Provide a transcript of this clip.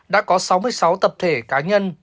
đã có sáu mươi sáu tập thể cá nhân